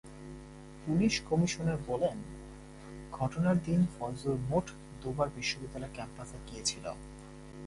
Police commissioner বলেন, ঘটনার দিন ফয়জুর মোট দুবার বিশ্ববিদ্যালয় ক্যাম্পাসে গিয়েছিল।